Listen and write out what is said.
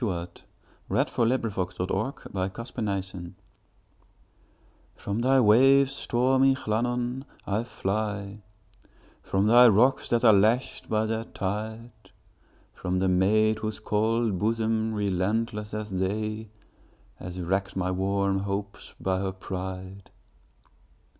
Wales: Llannon Song By Anna Seward (1747–1809) FROM thy waves, stormy Llannon, I fly; From thy rocks, that are lashed by their tide; From the maid whose cold bosom, relentless as they, Has wrecked my warm hopes by her pride!